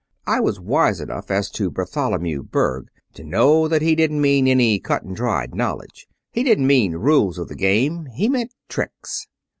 "I was wise enough as to Bartholomew Berg to know that he didn't mean any cut and dried knowledge. He didn't mean rules of the game. He meant tricks.